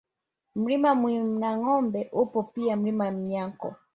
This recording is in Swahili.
Mlima Mwinangombe upo pia Mlima Myanko